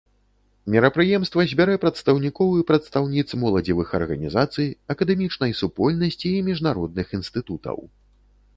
Мерапрыемства збярэ прадстаўнікоў і прадстаўніц моладзевых арганізацый, акадэмічнай супольнасці і міжнародных інстытутаў.